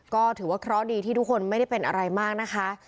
ก็ถือว่าเคราะห์ดีที่ทุกคนไม่ได้เป็นอะไรมากนะคะ